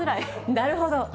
なるほど。